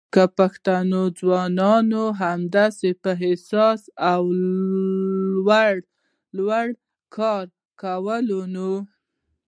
که پښتانه ځوانان همداسې په احساس او ولولو کار وکړی نو